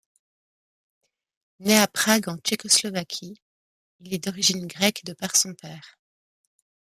Né à Prague en Tchécoslovaquie, il est d'origine grecque de par son père.